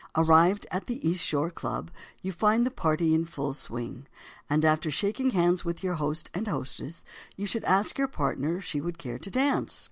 Arrived at the East Shore Club, you find the party in "full swing," and after shaking hands with your host and hostess, you should ask your partner if she would care to dance.